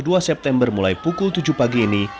dua september mulai pukul tujuh pagi ini